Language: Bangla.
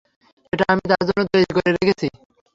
এটা আমি তার জন্যে তৈরি করে রেখেছি।